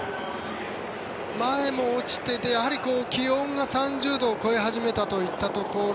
前も落ちていてやはり気温が３０度を超え始めたといったところ。